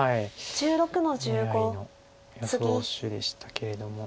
狙いの予想手でしたけれども。